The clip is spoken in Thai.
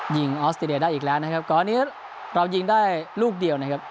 ออสเตรเลียได้อีกแล้วนะครับก่อนอันนี้เรายิงได้ลูกเดียวนะครับ